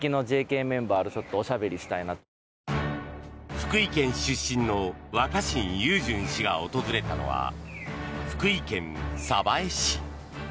福井県出身の若新雄純氏が訪れたのは福井県鯖江市。